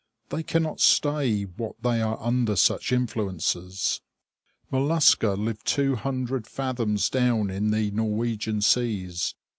They cannot stay what they are under such influences. Mollusca live two hundred fathoms down in the Norwegian seas.